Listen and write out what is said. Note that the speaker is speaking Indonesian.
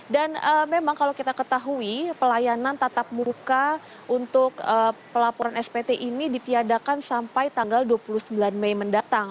dan memang kalau kita ketahui pelayanan tatap muka untuk pelaporan spt ini ditiadakan sampai tanggal dua puluh sembilan mei mendatang